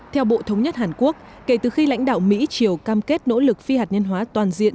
theo bộ thống nhất hàn quốc kể từ khi lãnh đạo mỹ triều cam kết nỗ lực phi hạt nhân hóa toàn diện